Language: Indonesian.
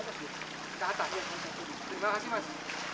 terima kasih mas